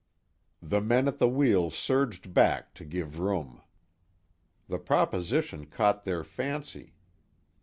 The men at the wheel surged back to give room. The proposition caught their fancy.